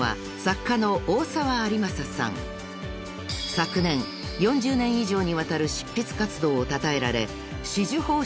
［昨年４０年以上にわたる執筆活動をたたえられ］